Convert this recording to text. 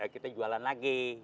kita jualan lagi